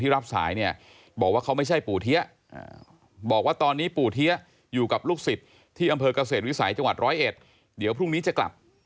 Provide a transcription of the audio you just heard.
ที่กำเผอกเกษตรวิสัยจังหวัดร้อยเอ็ดเดี๋ยวพรุ่งนี้จะกลับ